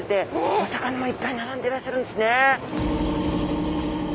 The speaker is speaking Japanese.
お魚もいっぱい並んでらっしゃるんですね。